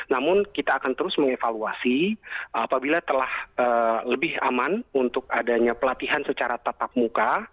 namun kita akan terus mengevaluasi apabila telah lebih aman untuk adanya pelatihan secara tatap muka